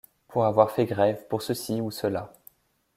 Pour avoir fait grève, pour ceci ou cela.